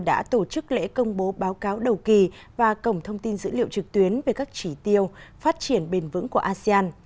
đã tổ chức lễ công bố báo cáo đầu kỳ và cổng thông tin dữ liệu trực tuyến về các chỉ tiêu phát triển bền vững của asean